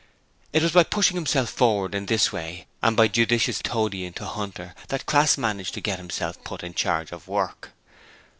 It was by pushing himself forward in this way and by judicious toadying to Hunter that Crass managed to get himself put in charge of work.